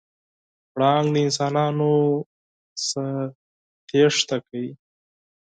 پړانګ د انسانانو څخه تېښته کوي.